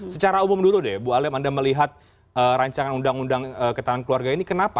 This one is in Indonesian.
secara umum dulu deh bu alim anda melihat rancangan undang undang ketahanan keluarga ini kenapa